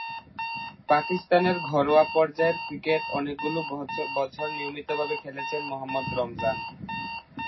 পাকিস্তানের ঘরোয়া পর্যায়ের ক্রিকেটে অনেকগুলো বছর নিয়মিতভাবে খেলেছেন মোহাম্মদ রমজান।